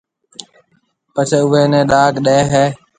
پڇيَ اوئيَ نيَ ڏاگ ڏَي ھيََََ